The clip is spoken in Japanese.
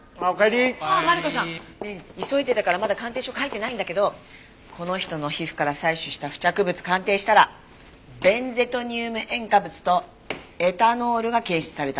ああマリコさんねえ急いでたからまだ鑑定書書いてないんだけどこの人の皮膚から採取した付着物鑑定したらベンゼトニウム塩化物とエタノールが検出された。